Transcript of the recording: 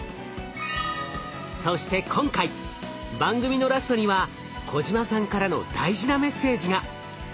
そして今回番組のラストには小島さんからの大事なメッセージが。